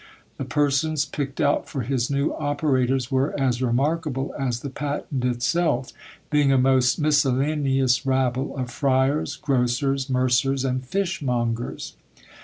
The persons picked out for his new operators were as remarkable as the patent itself, being a most "miscellaneous rabble" of friars, grocers, mercers, and fishmongers!